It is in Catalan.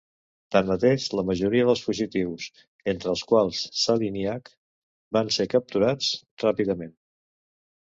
Tanmateix, la majoria dels fugitius, entre els quals Zaliznyak, van ser capturats ràpidament.